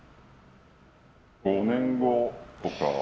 ５年後とか。